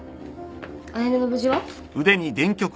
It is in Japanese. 彩音の無事は？